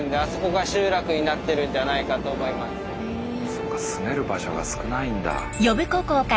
そうか住める場所が少ないんだ。